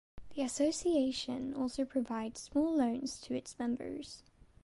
The association also provides small loans to its members.